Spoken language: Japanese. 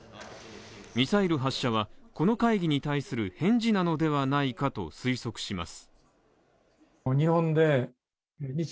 ミサイル発射はこの会議に対する返事なのではないかと推測します